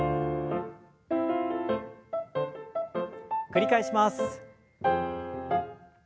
繰り返します。